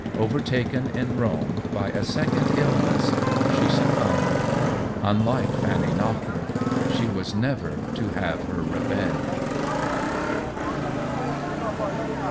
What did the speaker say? Overtaken in Rome by a second illness, she succumbed ; unlike Fanny Knocker, she was never to have her revenge.